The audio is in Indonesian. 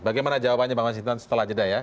bagaimana jawabannya bang mas hinton setelah jeda ya